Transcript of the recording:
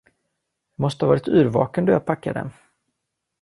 Jag måtte ha varit yrvaken, då jag packade.